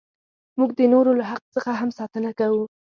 موږ د نورو له حق څخه هم ساتنه کوو.